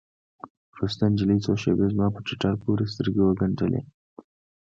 وروسته نجلۍ څو شېبې زما په ټټر پورې سترګې وگنډلې.